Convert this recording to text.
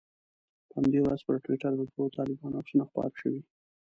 په همدې ورځ پر ټویټر د دوو طالبانو عکسونه خپاره شوي.